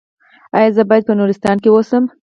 ایا زه باید په نورستان کې اوسم؟